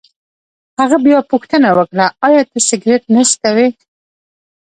هغه بیا پوښتنه وکړه: ایا ته سګرېټ نه څکوې؟